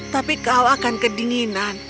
tapi kau akan kedinginan